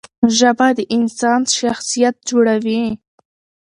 ژبه د انسان شخصیت جوړوي.